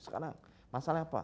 sekarang masalahnya apa